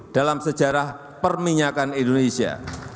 dalam sejarah perminyakan indonesia